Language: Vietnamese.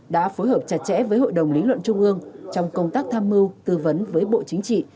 đã phối hợp chặt chẽ với hội đồng lý luận trung ương trong công tác tham mưu tư vấn với bộ chính trị